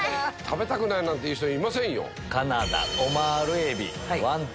食べたくないなんて人いません。